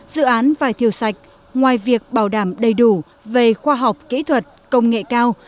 dự án vải thiều sạch ngoài việc bảo đảm đầy đủ về khoa học kỹ thuật công nghệ cao